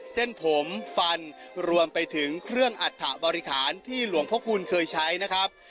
เส้นผมฟันรวมไปถึงเครื่องอัฐบริหารที่หลวงพระคุณเคยใช้นะครับ